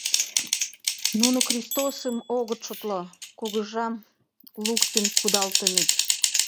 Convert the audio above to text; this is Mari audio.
Нуно Христосым огыт шотло, кугыжам луктын кудалтеныт.